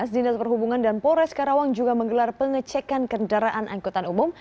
dinas perhubungan dan polres karawang juga menggelar pengecekan kendaraan angkutan umum